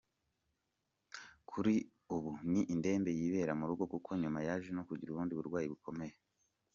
Kuri ubu ni indembe yibera murugo kuko nyuma yaje no kugira ubundi burwayi bukomeye.